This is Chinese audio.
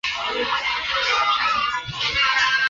兴建了在各种教学楼中间的公用绿地。